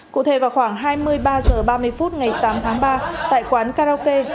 cụ thể vào khoảng hai mươi ba h ba mươi phút ngày tám tháng ba tại quán karaoke